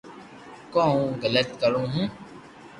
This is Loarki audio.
ڪو ھون علط ڪرو ھون